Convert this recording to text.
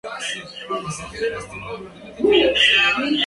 Mientras que Garza Jr.